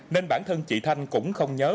nên bản thân chị thanh cũng không nhớ